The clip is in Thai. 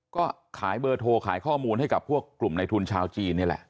ก็ขายเบอร์โทรขายข้อมูลให้กับพวกกลุ่มในทุนชาวจีนนี่แหละ